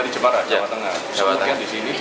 dari jepara jawa tengah